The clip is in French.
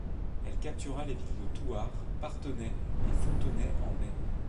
Elle captura les villes de Thouars, Parthenay et Fontenay en mai.